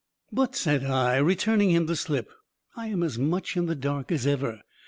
] "But," said I, returning him the slip, "I am as much in the dark as ever.